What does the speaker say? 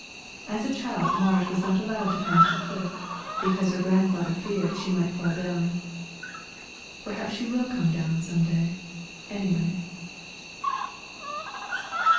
As a child Marit was not allowed to come on the cliff, because her grandfather feared she might fall down. Perhaps she will come down some day, any way.